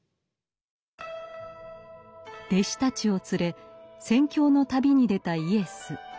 弟子たちを連れ宣教の旅に出たイエス。